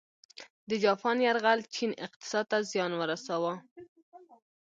د جاپان یرغل چین اقتصاد ته زیان ورساوه.